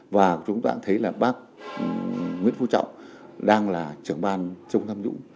và chúng ta cũng thấy là bác nguyễn phú trọng đang là trưởng ban chống tham nhũng